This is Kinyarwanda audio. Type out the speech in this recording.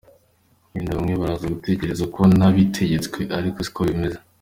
Wenda bamwe baraza gutekereza ko nabitegetswe ariko siko bimeze.